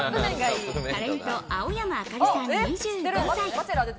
タレント青山明香里さん、２５歳。